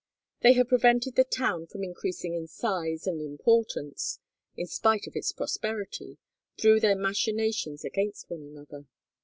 They have prevented the town from increasing in size and importance, in spite of its prosperity, through their machinations against one another.